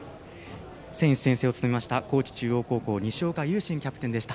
選手宣誓を務めました高知中央高校の西岡悠慎キャプテンでした。